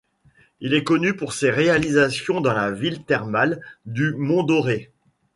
Il est connu pour ses réalisations dans la ville thermale du Mont-Dore.